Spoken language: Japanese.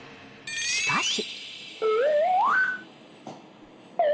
しかし。